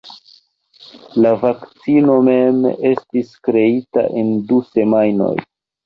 La vakcino mem estis kreita en du semajnoj.